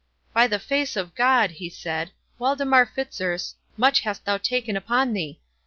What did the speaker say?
"By the face of God!" he said, "Waldemar Fitzurse, much hast thou taken upon thee!